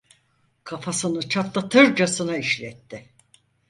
Kafasını çatlatırcasına işletti.